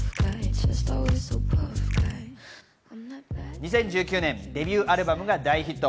２０１９年、デビューアルバムが大ヒット。